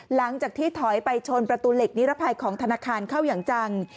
หลังจากที่ถอยไปชนประตูเหล็กนิรภัยของธนาคารเข้าอย่างจัง